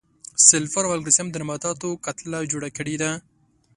سلفر او کلسیم د نباتاتو کتله جوړه کړې ده.